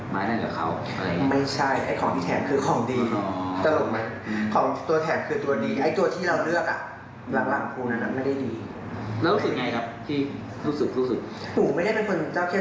พูดจับอย่างนี้เขาไม่ได้หรอกร้านนี้อะไรอย่างนี้หนูไม่ได้เลย